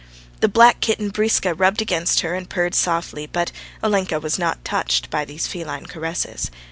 The black kitten, Briska, rubbed against her and purred softly, but Olenka was not touched by these feline caresses.